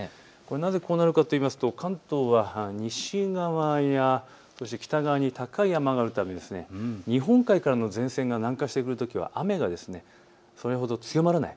なぜこうなるかといいますと関東は西側や北側に高い山があるため日本海からの前線が南下してくるときは雨がそれほど強まらない。